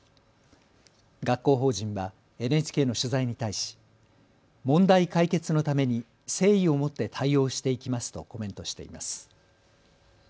学校法人はＮＨＫの取材に対し問題解決のために誠意を持って対応していきますとコメントしています。